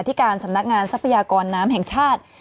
ที่การสำนักงานทรัพยากรน้ำแห่งชาติ